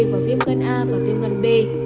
và viêm ngân a và viêm ngân b